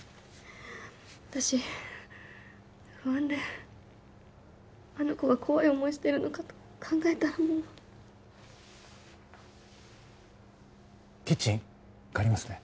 私不安であの子が怖い思いしてるのかと考えたらもうキッチン借りますね